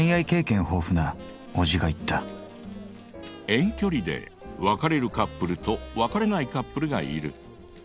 遠距離で別れるカップルと別れないカップルがいる。